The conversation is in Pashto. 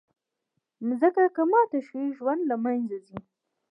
مځکه که ماته شي، ژوند له منځه ځي.